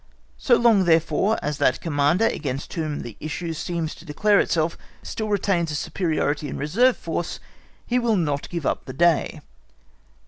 So long, therefore, as that Commander against whom the issue seems to declare itself still retains a superiority in reserve force, he will not give up the day.